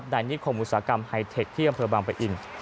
ในนิคมอุตสาหกรรมไฮเทคที่อำเภอบางปะอิน